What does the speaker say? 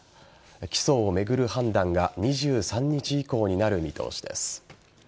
起訴を巡る判断が２３日以降になる見通しです。